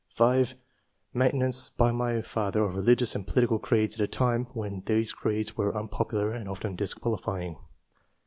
5. "Maintenance by my father of religious and political creeds at a time when these creeds were unpopular and often disqualifying."